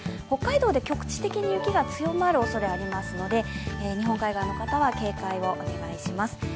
北海道で局地的に雪が強まるおそれがありますので、日本海側の方は警戒をお願いします。